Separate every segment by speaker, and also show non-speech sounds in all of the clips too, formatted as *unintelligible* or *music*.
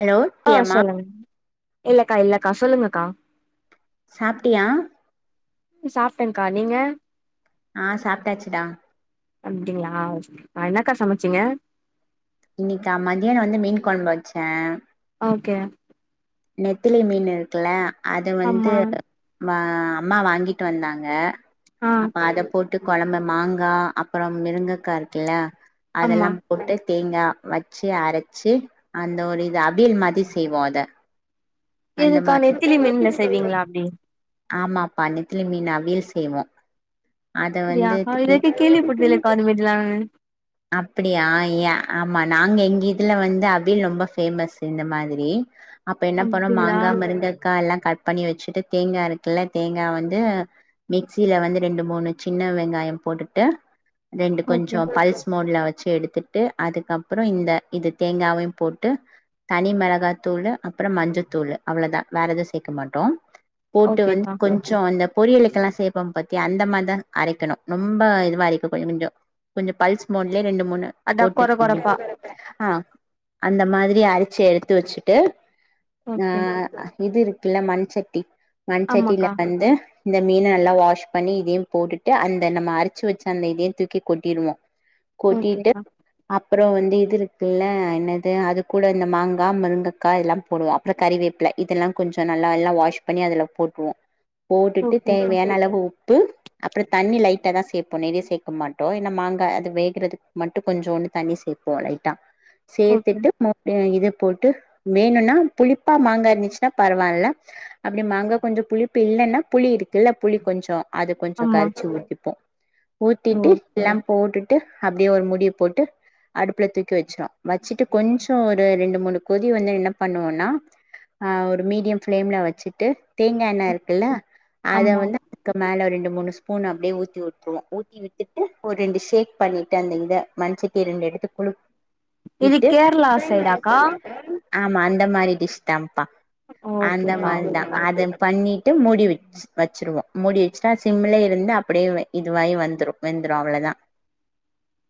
Speaker 1: hello
Speaker 2: ஆ
Speaker 1: டியமா
Speaker 2: சொல்லுங்க இல்லக்கா இல்லக்கா சொல்லுங்கக்கா
Speaker 1: சாப்பிட்டியா
Speaker 2: சாப்ட்டேன்கா நீங்க
Speaker 1: ஆ சாப்ட்டாச்சுடா
Speaker 2: அப்டிங்களா அன என்னக்காசமைச்சிங்க
Speaker 1: இன்னைக்கா மதியானோ வந்து மீன் கொழம்பு வச்சே
Speaker 2: ஓகே
Speaker 1: நெத்திலி மீன் இருக்குல அது வந்து
Speaker 2: அம்மா
Speaker 1: ம அம்மா வாங்கிட்டு வந்தாங்க
Speaker 2: ஆ
Speaker 1: அப்ப அத போட் விட்டு கொழம்பு மாங்கா அப்புறோ மிருங்கக்கா இருக்குல்ல
Speaker 2: ஆமா
Speaker 1: அதெல்லாம் போட்டு தேங்கா வச்சு அரச்சு அந்த ஒரு இது அவியல் மாதிரி செய்வோ அத அந்த
Speaker 2: இதுக்கா
Speaker 1: மாதிரி
Speaker 2: நெத்திளி மீன்ல செய்வீங்ளா அப்டி
Speaker 1: ஆமாப்பா நெத்திலி மீன் அவியல் செய்வோ அத
Speaker 2: அப்டியாக்கா
Speaker 1: வந்து
Speaker 2: இதக்கே கேள்வி பட்டதுலக்கா அது மாதிரலா
Speaker 1: அப்படியா ஏ ஆமா நாங்க எங்க இதுல வந்து அவியில் ரொம்ப ஃபேமஸ் இந்த மாதிரி அப்ப என்ன பண்ணனோ
Speaker 2: அப்டிங்களா
Speaker 1: மாங்கா முருங்கக்கா எல்லா கட் பண்ணி வச்சுட்டு தேங்கா இருக்குல்ல தேங்கா வந்து மிக்சியில வந்து ரெண்டு மூனு சின்ன வெங்காயம் போட்டுட்டு ரெண்டு
Speaker 2: ஓகே
Speaker 1: கொஞ்சோ பல்ஸ் மோடுல வச்சு எடுத்துட்டு அதுக்கப்றோ இந்த இது தேங்காவையு போட்டு தனி மெளகாதூளு அப்றோ மஞ்சத்தூளு அவ்வளதா வேற எது சேக்க மாட்டோம் போட்டு வந்து
Speaker 2: ஓகேக்கா
Speaker 1: கொஞ்சோ அந்த பொரியலுக்கெல்லா சேப்போ பாத்தியா அந்த மாதிரிதா அரைக்கணு ரொம்ப இதுவா கொஞ்சோ கொஞ்சம் பல்ஸ் மோன்லே ரெண்டு மூனு
Speaker 2: அதா
Speaker 1: போட்டு
Speaker 2: கொற கொறப்பா
Speaker 1: ஆ அந்த மாதிரி அரச்சு எடுத்து வச்சுட்டு ஆ
Speaker 2: ஓகே
Speaker 1: இது இருக்குல்ல மண்சட்டி மண்சட்டில
Speaker 2: ஆமாக்கா
Speaker 1: வந்து இந்த மீன நல்லா வாஷ் பண்ணி இதயு போட்டுட்டு அந்த நம்ம அரச்சு வச்சு அந்த இதயு தூக்கி கொட்டிருவோ
Speaker 2: ஓகேக்க
Speaker 1: அப்றோ வந்து இது இருக்குல்ல என்னது அது கூட இந்த மாங்கா முருங்கக்கா எல்லா போடுவோ அப்றோ கறிவேப்பில இதெல்லா கொஞ்ச நல்லா எல்லா வாஷ் பண்ணி அதுல போட்ருவோ போட்டுட்டு
Speaker 2: ஓகேக்கா
Speaker 1: தேவயான அளவு உப் உப்பு அப்றோ தண்ணி லைட்டா தா சேப்போ நெறய சேர்க்க மாட்டோ ஏன்ன மாங்கா அது வேக இருக்றதுக்கு மட்டு கொஞ்சோண்டு தண்ணி சேப்போ லைட்டா
Speaker 2: ஓகே
Speaker 1: சேத்துட்டு மூட வேண்டியது போட்டு வேணுனா புளிப்பா மாங்கா இருந்துச்சுன்னா பரவால்ல அப்டி மாங்கா கொஞ்சம் புளிப்பு இல்லன்னா புளி இருக்குல்ல புளி கொஞ்சோ அத கொஞ்ச
Speaker 2: ஆமா
Speaker 1: கரச்சு ஊத்திப்போ
Speaker 2: ஓ
Speaker 1: ஊத்திட்டு எல்லாம் போட்டுட்டு அப்டியே ஒரு மூடிய போட்டு அடுப்புல தூக்கி வச்சோ வச்சுட்டு கொஞ்சோ ஒரு ரெண்டு மூனு கொதி வந்து என்ன பண்ணுவோன்னா ஒரு ஆ மீடியம் ஃபிளேம்ல வச்சுட்டு தேங்காண்ண இருக்குல்ல அத
Speaker 2: ஆமா
Speaker 1: வந்து அதுக்கு மேல ரெண்டு மூணு ஸ்பூன் அப்படியே ஊத்தி விட்டுருவோ ஊத்திவிட்டுட்டு ஒரு ரெண்டு ஷேக் பண்ணிட்டு அந்த இத மண்சட்டிய ரெண்டு எடுத்து குழு
Speaker 2: இது
Speaker 1: இட்டு
Speaker 2: கேரளா சைடாக்கா
Speaker 1: ஆமா அந்த மாதிரி டிஷ் தான்ப்பா அந்த
Speaker 2: ஓகேக்கா
Speaker 1: மாதிரிதா
Speaker 2: ஓகேக்கா
Speaker 1: அத பண்ணி ட்டு மூடி வச்சிருவோ மூடி வச்சுட்டா சிம்லே இருந்து அப்படியே இதுவாயி வந்துடு வெந்துடு அவ்ளோதா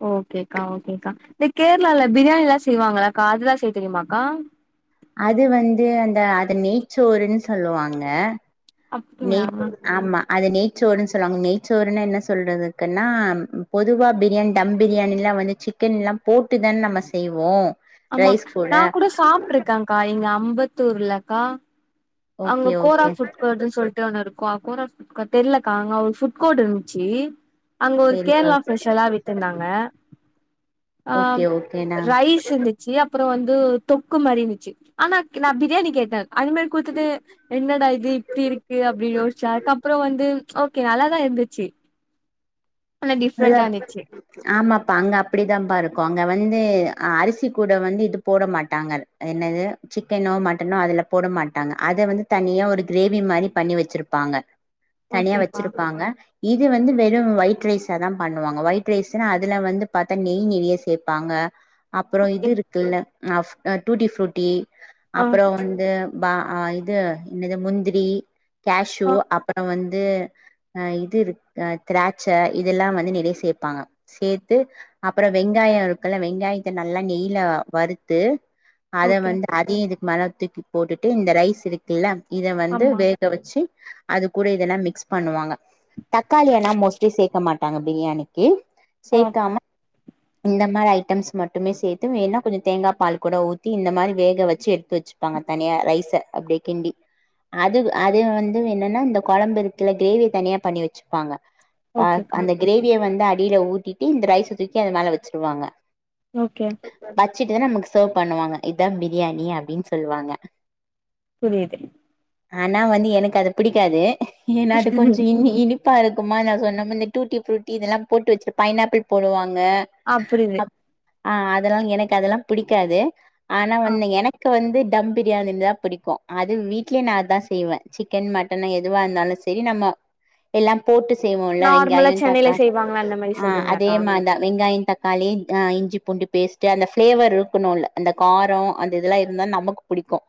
Speaker 2: ஓகேக்கா ஓகேக்கா இந்த கேரளால பிரியாணி எல்லா செய்வாங்களாக்கா அதுல்லா செய்ய தெரியுமாக்கா
Speaker 1: அது வந்து அந்த அத நெய்சோருன்னு சொல்லுவாங்க நெய்
Speaker 2: அப்டிங்களா
Speaker 1: ஆமா அது நெய் நெய்ச்சோறுன்னு சொல்லுவாங்க நெய்ச்சோருன்னா என்ன சொல்கறதுக்குன்னா பொதுவா பிரியாணி தம் பிரியாணிலா வந்து சிக்கன்லா போட்டு தானே நம்ம செய்வோ
Speaker 2: ஆமா நா கூட சாப்பிட்ருக்கேக்கா எங்க அம் முப்பத்தூர்லக்கா அங்க
Speaker 1: ஓகே
Speaker 2: கோரா
Speaker 1: ஓகே
Speaker 2: ஃப்ட்கோட்ன்னு சொல்லிட்டு ஒன்னு இருக்கு கொர ஃப்கோடு தெரியிலக்கா அங்க ஒரு ஃபுட் கோடு இருந்துச்சு அங்க ஒரு
Speaker 1: சேரிப்பா
Speaker 2: கேரளா ஸ்பெஷலா வித்ருந்தாங்க அ
Speaker 1: ஓகே ஓகேடா
Speaker 2: ரைஸ் இருந்துச்சு அப்புறோ வந்து து தொக்குமறி இருந்துச்சு ஆனா நா பிரியாணி கேட்டே அது மாதி கூத்துது என்னடா இது இப்டி இருக்கு அப்படின்னு யோசிச்சா அதுக்கு அப்புறோ வந்து ஓகே நல்லாதா இருந்துச்சு ஆனா டிஃப்ரெண்டா இருந்துச்சு
Speaker 1: ஆமாப்பா அங்க அப்படிதா பா இருக்கு அங் அங்க வந்து அ அரிசி கூட வந்து இது போட மாட்டாங்க என்னது சிக்கனோ மட்டனோ அதுல போட மாட்டாங்க அத வந்து தனியா ஒரு கிரேவி மாரி பண்ணி வச்சிருப்பாங்க தனியா
Speaker 2: ஓகேப்பா
Speaker 1: வச்சிருப்பாங்க இது வந்து வெறு வயி ட்ரேஸ் அதலா பண்ணுவாங்க ஒயிட் ரைஸ்ன்னா அதுல வந்து பார்த்தா நெய் நெறய சேப்பாங்க அப்புறோ
Speaker 2: ஓகே
Speaker 1: இது இருக்குல்ல ஆஃப் டூடிஃப்ரூட்டி
Speaker 2: ஆ
Speaker 1: அப்புறோ வந்து பா ஆ இது என்னது முந்திரி
Speaker 2: ஆ
Speaker 1: கேஷ்வு அப்புறோ வந்து இது அ இது இருக் திராட்ச இதெல்லா வந்து நிறைய சேர்ப்பாங்க சேர்த்து அப்புறோ வெங்காயோ இருக்குல வெங்காயத்தை நல்லா நெய்ல வறுத்து அத
Speaker 2: ஓகே
Speaker 1: வந்து அதையு இது மல தூக்கி போட்டுட்டு இந்த ரைஸ் இருக்குல்ல இத வந்து
Speaker 2: ஆமா
Speaker 1: வேக வச்சு அது கூட இதெல்லாம் மிக்ஸ் பண்ணுவாங்க தக்காளியனாம் மோஸ்ட்லி சே க்க மாட்டாங்க பிரியாணிக்கு
Speaker 2: ஓகே
Speaker 1: சேக்காம இந்த மாரி ஐட்டம்ஸ் மட்டுமே சேத்து ஏன்னா கொஞ்சம் தேங்காய் பால் கூட ஊத்தி இந்த மாதிரி வேக வச்சு எடுத்து வச்சு வச்சுப்பாங்க தனியாக ரைஸ்ச அப்படியே கிண்டி அது அது வந்து என்னன்னா இந்த குழம்பு இருத்துல கிரேவி தனியா பண்ணி வச்சுப்பாங்க
Speaker 2: ஓகேக்கா
Speaker 1: அந்த கிரேவியை வந்து அடி ஊத்திட்டு இந்த ரைஸ்ஸ அ மேல வச்சுருவாங்க
Speaker 2: ஓகே
Speaker 1: ச்சட்டு நமக்கு சர்வ் பண்ணுவாங்க இதுதான் பிரியாணி அப்படின்னு சொல்லுவாங்க
Speaker 2: புரியது
Speaker 1: ஆனா வந்து எனக்கு அது புடிக்காது ஏன் அது கொஞ்சம் இன் இனி ப்பா இருக்குமா நான் சொன்ன இந்த டூட்டிப்ரூட்டி இதெல்லாம் போட்டு வச்சு பைன்னாப்பிள் போடுவான்
Speaker 2: ஆ புரியுது
Speaker 1: *unintelligible* ஆஹ் அதெல்லாம் எனக்கு அதெல்லாம் புடிக்காது ஆனா
Speaker 2: ஆ
Speaker 1: வந்தங்க எனக்கு வந்து தம் பிரியாணின்னுதான் பிடிக்கும் அது வீட்யே நான் அத தான் செய்வேன் சிக்கன் மட்டன் எதுவா இருந்தாலும் சரி நம்ம எல்லாம் போட்டு செய்வோம்ல
Speaker 2: நார்மலா
Speaker 1: வெங்காயனம்
Speaker 2: சென்னையில
Speaker 1: தாக்காளி
Speaker 2: செய்வாங்களா அந்த மாரி
Speaker 1: ஆஹ் அதே
Speaker 2: சொல்றீங்களாக்கா
Speaker 1: மாரிதான் வெங்காயம் தக்காளி ஆஹ் இஞ்சி பூண்டு பேஸ்ட்ட் அந்த பிளேவர் இருக்கணும்ல அந்த காரம் அந்த இதெல்லாம் இருந்தா நமக்கு பிடிக்கும்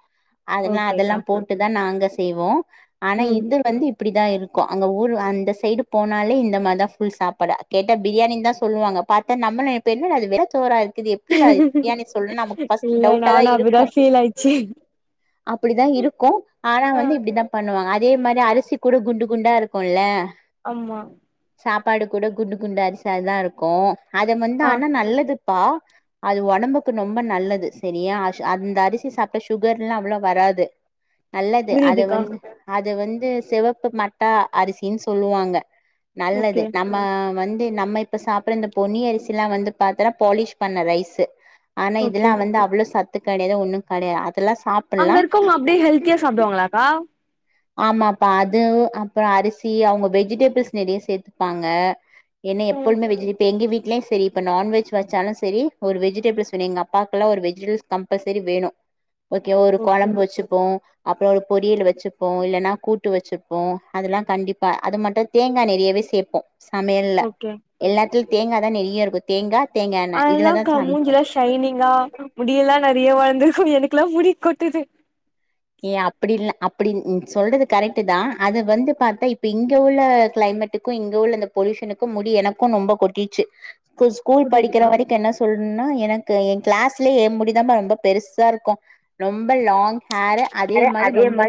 Speaker 1: அதெல்லாம்
Speaker 2: ஓகேக்கா
Speaker 1: அதெல்லாம் போட்டுதான் நாங்க செய்வோம் ஆனா
Speaker 2: ம்
Speaker 1: இது வந்து இ அப்படி தான் இருக்கும் அங்கே ஊர் அந்த சைடு போனாலே இந்த மாதிரி தான் ஃபுல் சாப்பாடா கேட்டால் பிரியாணி தான் சொல்லுவாங்க பத்தா நம்மள பெ என்னடா அது வெள்ள தோரா இத எப்பிடிடா பிரியாணி சொல்ற நமக்கு ஃபர்ஸ்ட்
Speaker 2: இல்ல
Speaker 1: டவுட்டா தான்
Speaker 2: நானு அப்டிதா
Speaker 1: இருக்கும்
Speaker 2: ஃபீல் ஆயிச்சு
Speaker 1: அப்படித்தான் இருக்கும் ஆனா
Speaker 2: ஆ
Speaker 1: வந்து இப்படித்தான் பண்ணுவாங்க அது அதே மாதிரி அரிசி கூட குண்டு குண்டா இருக்கும்ல
Speaker 2: ஆம்மா
Speaker 1: சாப்பாடு கூட குண்டு குண்டு அரிசா தான் இருக்கும் அத வந்து
Speaker 2: ஆ
Speaker 1: ஆனா நல்லது அப்பா அது உடம்புக்கு ரொம்ப நல்லது சரியா அந்த அரிசி சாப்பிட்ட சுகர் எல்லாம் அவ்வளோ வராது நல்லது அத
Speaker 2: புரியுதுக்கா
Speaker 1: வந்து அ அது வந்து சிவப்பு மட்ட அரிசினு சொல்லுவாங்க நல்லது
Speaker 2: ஓகே
Speaker 1: நம்ம வந்து நம்ம இப்ப சாப்பிடற இந்த பொன்னி அரிசி எல்லாம் வந்து பாத்தன்னா பாலிஷ் பண்ண ரைஸு ஆனா
Speaker 2: ஓகே
Speaker 1: இதெல்லாம் வந்து அவ்வளவு ச சத்து கிடையாது ஒன்னும் கிடையாது
Speaker 2: அங்க இருக்கவங்க அப்படியே ஹெல்த்தியா சாப்பிடுவாங்களாக்கா
Speaker 1: ஆமாப்பா அது அப்புறம் அரிசி அவங்க வெஜிடபிள்ஸ் நிறைய சேர்த்துப்பாங்க என்னை
Speaker 2: ம்
Speaker 1: எப்போழுமே வெஜி எங்க வீட்லயும் சரி இப்ப நான்வெஜ் வச்சாலும் சரி ஒரு வெஜிடபிள்ஸ் வேணும் எங்க அப்பாெல்லாம் ஒரு வெஜிடபிள்ஸ் கம்பல்சரி வேணும் ஓகே ஒரு
Speaker 2: ஓகே
Speaker 1: குழம்பு வச்சுப்போம் அப்புறம் ஒரு பொரியல் வச்சுப்போம் இல்லைன்னா கூட்டு வச்சுப்போம் அதெல்லாம் கண்டிப்பா அது மட்டும் தேங்காய் நெறையவே சேப்போம் சமயல்ல
Speaker 2: ஓகே
Speaker 1: எல்லாத்த தேங்காய் தான் நிறைய இருக்கும் தேங்காய்
Speaker 2: அதெல்லாம் க மூஞ்சு எல்லாம் ஷைனிங்கா முடியல்லாம் நிறைய வளந்திருக்கும் எனக்கு எனக்கெல்லாம் முடி கொட்டது
Speaker 1: ஏ அப்படி அப்படி சொல்றது கரெக்ட் தான் அது வந்து பார்த்தா இப்ப இங்க உள்ள கிளைமேட்டுக்கும் இங்க உள்ள அ பொல்யூஷனுக்கும் முடி எனக்கும் ரொம்ப கொட்டிச்சு இ ஸ்கூல் படிக்கிற
Speaker 2: புரியுதுக்கா
Speaker 1: வரைக்கும் என்ன சொல்லும்னா எனக்கு என் கிளாஸ்லயே ஏ முடிதான் ரொம்ப பெருசா இருக்கும் ரொம்ப லாங் ஹேர் அதே மாதிரி ரொம்ப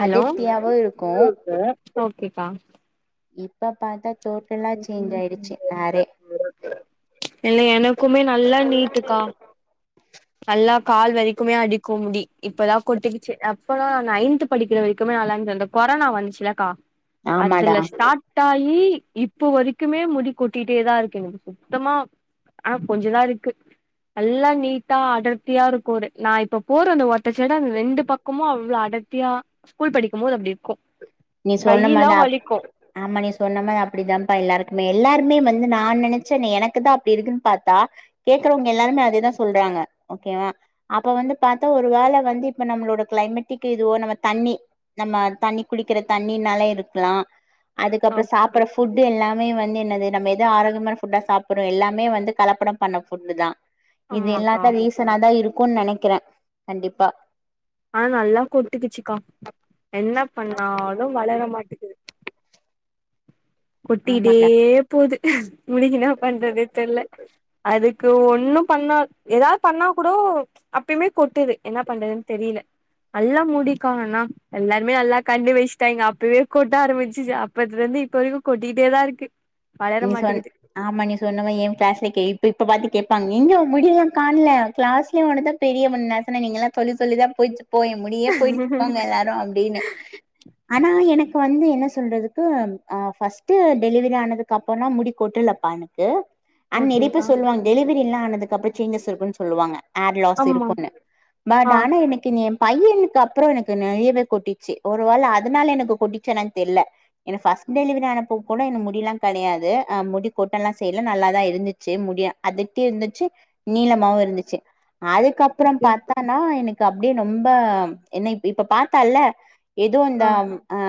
Speaker 2: ஹலோ
Speaker 1: அடர்த்தியாவும் இருக்கும்
Speaker 2: கேப்பா
Speaker 1: இ இப்ப பார்த்தா டோட்டலா சேஞ்ச் ஆயிடுச்சு ஹேறே
Speaker 2: இல்ல எனக் க்குமே நல்லா நீட்டுக்கா நல்லா கால் வரைக்குமே அடிக்கும் முடி இப்பதான் கொட்டுக்கிச்சு அப்பல்லாம் நான் நையன்த் படிக்கிற வரைக்குமே நல்லா இருந்துச்சு இந்த கொரோனா வந்துச்சுலக்கா
Speaker 1: ஆமாடா
Speaker 2: அதுல ஸ்டார்ட் ட் ஆயி இப்போ வரைக்குமே முடி கொட்டிட்டேதான் இருக்கு எங்களுக்கு சுத்தமா ஆனா கொஞ்சதான் இருக்கு நல்லா நீட்டா அடர்த்தியா இருக்கும் ஒரு நான் இப்ப போற அந்த ஒத்த சடை அந்த ரெண்டு பக்கமும் அவ்வளவு அடர்த்தியா ஸ்கூல் படிக்கும் போது அப்படி இருக்கும்
Speaker 1: நீ சொன்ன மாதிரிதான் ஆமா நீ சொன்ன மாிரி அப்டித்தான்ப்பா எல்லாருக்குமே எல்லாருமே வந்து நான் நினைச்சே நீ எனக்கு தான் அப்டி இருக்குன் பாத்தா கேக்கறவங்க எல்லாருமே அதேதான் சொல்றாங்க ஓகேவா அப்ப வந்து பாத்தா ஒரு வேள வந்து இப்ப நம்மளோட கிளைமேட்டிக்கு இதுவோ நம்ம தண்ணி நம்ம தண்ணி குளிக் கிற தண்ணினால இருக்கலாம் அதுக்கப்புறம்
Speaker 2: ஓகே
Speaker 1: சாப்படற ஃபுட்டு எல்லாமே வந்து என்னது நம்ம எதும் ஆரோக்கியமான ஃபுட்டா சாப்பறோம் எல்லாமே வந்து கலப்படம் பண்ண ஃபுட்டு தான் இது எல்லாம்
Speaker 2: ஆமாக்கா
Speaker 1: தான் ரீசனா தான் இருக் க்குன் நெனக்கிறே கண்டிப்பா
Speaker 2: ஆனா நல்லா கொட்டுக்குச்சுக்கா என்ன பண்ணாலும் வளர மாட்டிக்குது கொட்டிகிட்டே
Speaker 1: ஆமாடா
Speaker 2: போது முடிக்கினா என்ன பண்றதே தெர்ல அதுக் கு ஒண்ணும் பண்ணா எதாவது பண்ணா கூட அப்பயுமே கொட்டுது என்ன பண்றதுன்னு தெரியல நல்லா முடிக்கானா எல்லாருமே நல்லா கண்ணு வச்ட்டாங்க அப்பவே கொட்ட ஆரம்பிச்சிச்சி அப்பத்துல இருந்து இப்ப வரைக்கும் கொட்டிட்டே தான் இருக்கு
Speaker 1: நீ சொன் ஆமா நீ சொன்னவன் என் கிளாஸ்ல கே இப்ப இப்ப பாத்து கே கன் எங்க முடியெல்லாம் காண்ல கிளாஸ்லே ஒனதான் பெரிய முனீ நசன நீங்கல்லாம் சொல்லி சொல்லிதான் போயிச்சி போ என் முடியே போயிடுச்சி போங்க எல்லாரும் அப்டின்னு ஆனா எனக்கு வந்து என்ன சொல்றதுக்கு ஆ ஃபர்ஸ்ட்டு டெலிவரி ஆனதுக்கு கப்பன்னா முடி கொட்டுலப்பா எனக்கு அன் நெறயா
Speaker 2: ஓகேவா
Speaker 1: பேர் சொல்லுவாங்க டெலிவரில்லாம் ஆனதுக்குப்புற சேஞ்சஸ் இருக்குன்னு சொல்லுவாங்க ஏர் லாஸ்
Speaker 2: ஆமா
Speaker 1: இருக்குன்னு பட்
Speaker 2: ஆ
Speaker 1: ஆனா எனக்கு நீ பையனுக்கு அப்புறம் எனக்கு நெறையவே கொட்டிச்சி ஒரு வேள அதனால எனக்கு கொட்டிச்சா என்னான்னு தெர்ல என ஃபஸ்ட் டெலிவரி ஆனப்போ கூட என் முடிலாம் கெடையாது ஆ முடி கொட்டலா செய்ல நல்லாதான் இருந்துச்சி முடிய அடர்த்தியா இருந்துச்சி நீளமாவும் இருந்துச்சி அதுக்கப்புறம்
Speaker 2: ஓகே
Speaker 1: பாத்தானா எனக்கு அப் டே ரொம்ப என்ன இப்ப பாத்தால்ல எதுவும் இந்த
Speaker 2: ஆ
Speaker 1: ஆ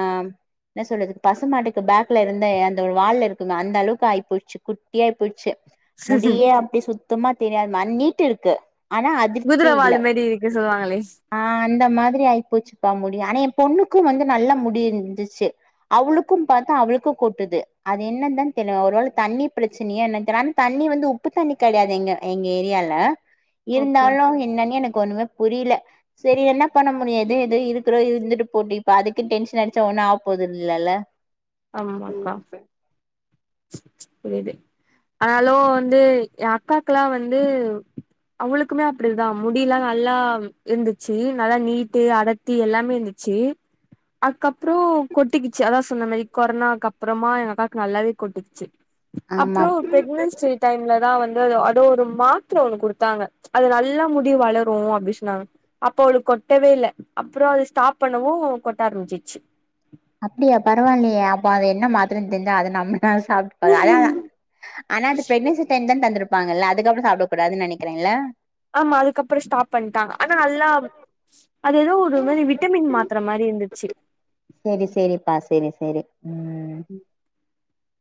Speaker 1: என்ன சொல்றது பசுமாட்டுக்கு பேக்ல இருந்த அந்த ஒரு வாள்ல இரு குமே அந்த அளவுக்கு ஆய்போச்சி குட்டியா ஆயி போயிச்சி முடியே அப்டி சுத் துமா தெரியாது ம நீட்டு இருக்கு ஆனா அதிர்ப்தி
Speaker 2: குதரவால் மேரி இருக்கு சொல்லுவாங்களே
Speaker 1: இந்த மாதிரி ஆயி போச்சிப்ப முடி ஆனா என் பொண்ணுக்கும் வந்து நல்லா முடி இருந்துச்சி அவுளுக்கும் பாத்தா அவளுக்கும் கொட்டுது அது என்னந்தான் தெர்ல ஒருவேள தண்ணி பிரச்சனைய என்னான் தெர்ல ஆனா தண்ணி வந்து உப்பு தண்ணி கெடையாது இங்க எங்க எங்க ஏரியால
Speaker 2: ஓகே
Speaker 1: இருந்தாலும் என்னான்னே எனக்கு ஒண்ணுமே புரியில செரி என்ன பண்ண முடியும் எதோ எதோ இருக்கறோ இருந்துட்டு போட்டு இப்ப அதுக்கு டென்ஷன் அடிச்சா ஒண்ணும் ஆவபோது இல்லல்ல
Speaker 2: ஆமாக்கா சரி ஒகே ஆனாலு வந்து என் அக்கல்லா வந்து அவுளுக்குமே அப்டிதா முடில்லா நல்லா இருந்துச்சு நல்லா நீட்டு அடத்தி எல்லாமே இருந்துச்சு அதுக்கப்றோ கொட்டிக்குச்சு அதாவ சொன்ன மாதிரி கொரனாக்கு அப்பறமா எங்க அக்காக்கு நல்லாவே கொட்டுச்சு
Speaker 1: ஆமா
Speaker 2: அப்றோ ப்ரெக்னன்சி டைம்ல தா வந்து அத அதோ ஒரு மாத்தர ஒன்னு குடுத்தாங்க அது நல்லா முடி வளரு அப்டின்னு சொன்னாங்க அப்ப அவளுக்கு கொட்டவே இல்ல அப்றோ அது ஸ்டாப் பண்ணவு கொட்ட ஆரம்பிச்சிச்சு
Speaker 1: அப்டியா பரவாயில்லையே அப்ப அது என்ன மாத்தரனு தெரிஞ்சா அத நம்ம ஆ சாப்பிட்டுப்பாங்க அதா ஆனா அந்த ப்ரெக்னசி டைம்ல த தந்திருப்பாங்கல்ல அதுக்கப்றோ சாப்ட கூடாதுன் நெனக்குறீங்ளா
Speaker 2: ஆமா அதுக்கப்றோ ஸ்டாப் பண்ணிட்டாங்க ஆனா நல்லா அது ஏதோ ஒரு மாரி விட்டமின் மாத்ர மாரி இருந்துச்சு
Speaker 1: சேரி சேரிப்பா சேரி சேரி ம்
Speaker 2: உம்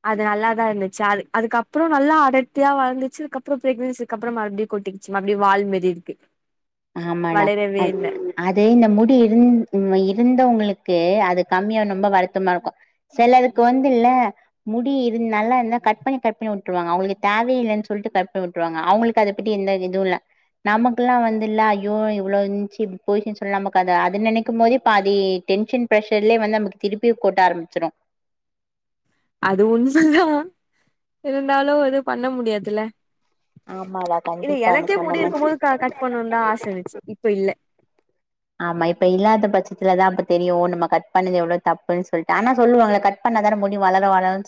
Speaker 2: அது நல்லாதா இருந்துச்சு அது அதுக்கப்றோ நல்லா அடர்த்தியா வளந்துச்சு அதுக்கப்றோ ப்ரெக்னன்சிக்கு அப்றோ மறுபடியு கொட்டிகிச்சு மறுபடி வால்மாரி இருக்கு
Speaker 1: ஆமாடா
Speaker 2: வளரவே இல்ல
Speaker 1: அது இந்த முடி இருந்து இருந்தவங்களுக்கு அது கம்மியா ரொம்ப வருத்தமா இருக்கு செலருக்கு வந்து இல்ல முடி இருந் நல்லா இருந்தா கட் பண்ணி கட் பண்ணி விட்டுருவாங்க அவங்களுக்கு தேவ இல்லன்னு சொல்லிட்டு கட் பண்ணி விட்டுருவாங்க அவுங்களுக்கு அத பத்தி எந்த இதுவு இல்ல நமக்கெல்லா வந்து இல்ல ஐயோ இவ்ளோந்துச்சு போயிச்சி சொல்ல நமக்கு அது நெனைக்கும் போதே பாதி டென்ஷன் ப்ரஷர்லயே வந்து நமக்கு திருப்பி கொட்ட ஆரம்பிச்சிரு
Speaker 2: அது ஒன்னுதா இருந்தாலு எது பண்ண முடியாதுல
Speaker 1: ஆமாடா
Speaker 2: இல்ல
Speaker 1: கண்டிப்பா நீ
Speaker 2: எனக்கே
Speaker 1: சொன்ன
Speaker 2: முடி
Speaker 1: மாரி
Speaker 2: இருக்கும் போது கட் பண்ணும்னு தா ஆச இருந்துச்சு இப்ப இல்ல
Speaker 1: ஆமா இப்ப இல்லாத பட்ச இப்பதாத்த தெரியு நம்ம கட் பண்ணது எவ்ளோ தப்புன் சொல்ட்டு ஆன சொல்லுவாங்க கட் பண்ணா தான முடி வளர வளரும்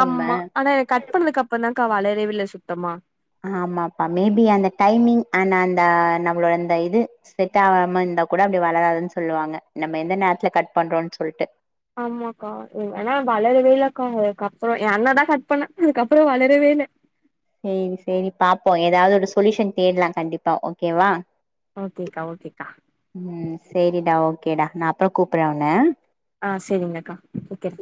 Speaker 2: ஆமா ஆனா இத கட் பண்ணது அப்றோ தான்க்கா வளரவே இல்ல சுத் சுத்தமா
Speaker 1: ஆமாப்பா மேபி அந்த டைமிங் அண்ட் அந்த நம்மளோட அந்த இது செட் ஆகாம இருந்தா கூட அது வளராதுன் சொல்லுவாங்க நம்ம எந்த நேரத்ல கட் பண்றோனு சொல்ட்டு
Speaker 2: ஆமாக்கா ஏன்னா வளரவே இல்லக்கா அதுக்கப்றோ எ அண்ண தா கட் பண்ணா அதுக்கப்றோ வளரவே இல்ல
Speaker 1: செரி செரி பாப்போ ஏதாவது ஒரு சொலுயூஷன் தேடலா கண்டிப்பா ஓகேவா
Speaker 2: ஓகேக்கா ஓகேக்கா
Speaker 1: உம் சேரிடா கேடா நா அப்றோ கூப்றே உன்ன
Speaker 2: ஆ சேரிங்கக்கா ஓகே